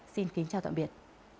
xin kính chào tạm biệt